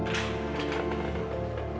itu ada di tasuda